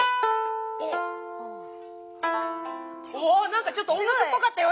なんかちょっと音楽っぽかったよ